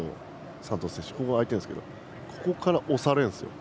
サントス選手ここ空いているんですけどここから押されるんですよ。